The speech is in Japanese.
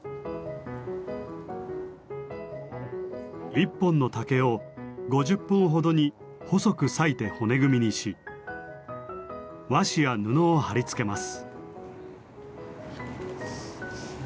１本の竹を５０本ほどに細く割いて骨組みにし和紙や布を貼り付けます。